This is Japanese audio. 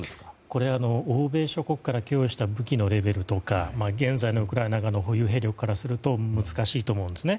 これは欧米諸国から供与した武器のレベルとか現在のウクライナ側の保有兵力からすると難しいと思うんですね。